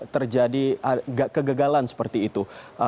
terjadi kegagalan seperti itu